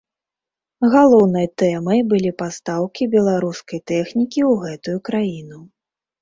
Галоўнай тэмай былі пастаўкі беларускай тэхнікі ў гэтую краіну.